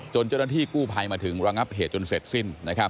จนจนที่กู่ภัยมาถึงรังบเหตุจนเสร็จสิ้น